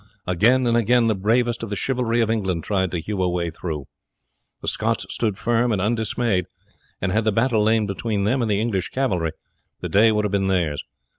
Again and again the bravest of the chivalry of England tried to hew a way through. The Scots stood firm and undismayed, and had the battle lain between them and the English cavalry, the day would have been theirs.